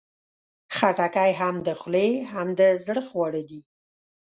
خټکی هم د خولې، هم د زړه خواړه دي.